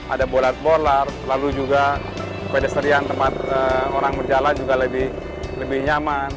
ada bolart bolar lalu juga pedestrian tempat orang berjalan juga lebih nyaman